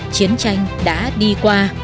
chiến tranh đã đi qua